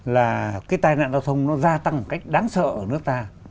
là cái tai nạn giao thông nó gia tăng một cách đáng sợ ở nước ta